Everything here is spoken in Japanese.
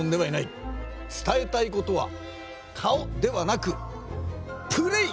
伝えたいことは顔ではなくプレー！